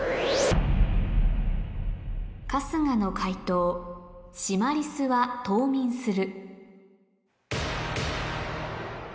春日の解答「シマリスは冬眠する」